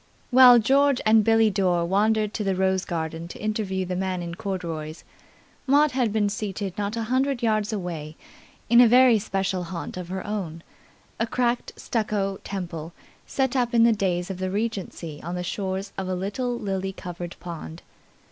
While George and Billie Dore wandered to the rose garden to interview the man in corduroys, Maud had been seated not a hundred yards away in a very special haunt of her own, a cracked stucco temple set up in the days of the Regency on the shores of a little lily covered pond.